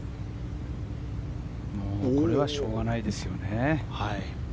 これはしょうがないですよね。